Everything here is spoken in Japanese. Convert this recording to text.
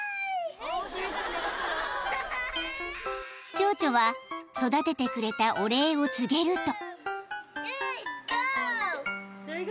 ［チョウチョは育ててくれたお礼を告げると］